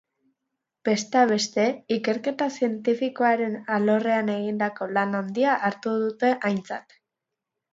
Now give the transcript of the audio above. Besteak beste, ikerketa zientifikoaren alorrean egindako lan handia hartu dute aintzat.